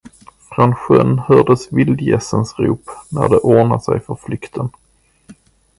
Från sjön hördes vildgässens rop, när de ordnade sig för flykten.